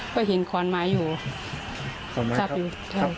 ก็เห็นขวานไม้อยู่ถับอยู่